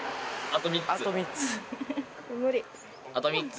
あと１つ。